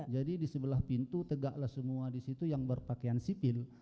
jadi di sebelah pintu tegaklah semua di situ yang berpakaian sipil